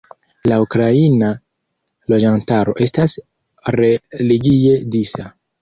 La ukraina loĝantaro estas religie disa.